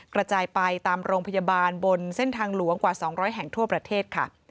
กระจายไปตามโรงพยาบาลบนเส้นทางหลวงกว่า๒๐๐แห่งทั่วประเทศค่ะ